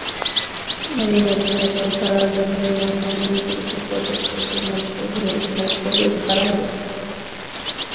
এরই মধ্যে নেপাল ছাড়ার জন্য বিমানবন্দরে বিদেশি পর্যটকদের মধ্যেও পড়ে গেছে হুড়োহুড়ি।